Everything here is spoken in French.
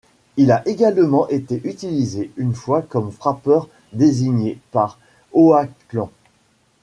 Il a également été utilisé une fois comme frappeur désigné par Oakland.